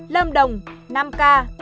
lâm đồng năm ca